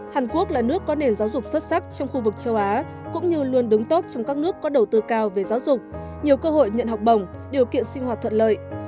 hàn quốc là nước có nền giáo dục xuất sắc trong khu vực châu á cũng như luôn đứng tốt trong các nước có đầu tư cao về giáo dục nhiều cơ hội nhận học bổng điều kiện sinh hoạt thuận lợi